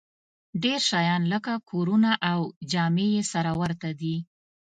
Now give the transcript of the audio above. ډېر شیان لکه کورونه او جامې یې سره ورته دي